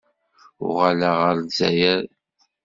Uɣaleɣ ɣer Lezzayer.